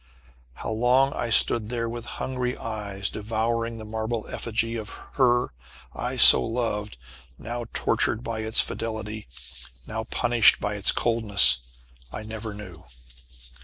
How long I stood there, with hungry eyes devouring the marble effigy of her I so loved now tortured by its fidelity, now punished by its coldness I never knew.